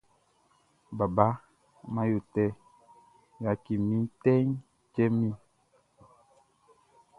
Baba man yo tɛ, yatchi mi tɛ tchɛ mi he.